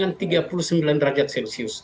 dengan tiga puluh sembilan derajat celcius